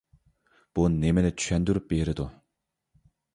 بۇ نېمىنى چۈشەندۈرۈپ بېرىدۇ؟